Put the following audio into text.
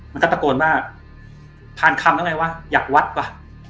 ก็กลับตะโกนว่าพาลคำอะไรวะ